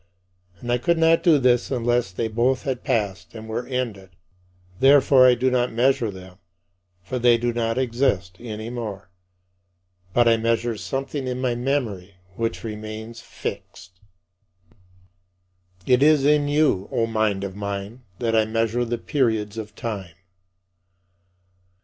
And I could not do this unless they both had passed and were ended. Therefore I do not measure them, for they do not exist any more. But I measure something in my memory which remains fixed. 36. It is in you, O mind of mine, that I measure the periods of time.